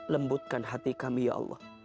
lembutkan hati kami ya allah